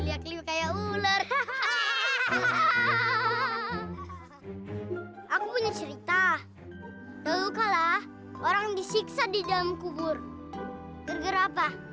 aku punya cerita dulu kalau orang disiksa di dalam kubur gerger apa